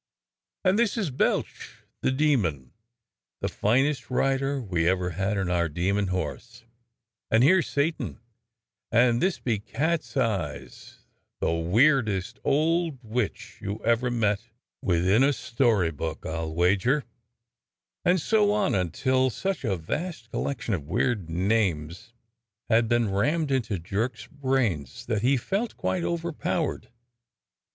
'^ And this is Belch the demon, the finest rider we ever had in our demon horse, and here's Satan, and this be Cat'seyes, the weirdest old witch you ever met with in a story book, I'll wager," and so on until such a vast THE DEVIL'S TIRING HOUSE 193 collection of weird names had been rammed into Jerk's brains that he felt quite overpowered.